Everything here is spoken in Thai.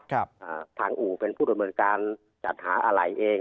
ทางอู่เป็นผู้ดำเนินการจัดหาอะไรเอง